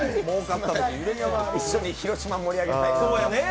一緒に広島盛り上げたいなと。